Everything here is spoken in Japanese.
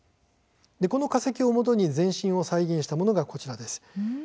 この化石をもとに全身を再現したものがこちらです。